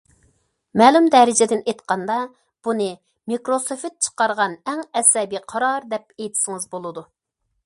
مەلۇم دەرىجىدىن ئېيتقاندا، بۇنى مىكروسوفت چىقارغان ئەڭ ئەسەبىي قارار دەپ ئېيتسىڭىز بولىدۇ.